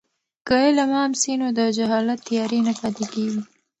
که علم عام سي نو د جهالت تیارې نه پاتې کېږي.